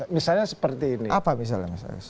misalnya seperti ini apa misalnya